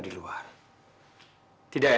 saya tidak tahu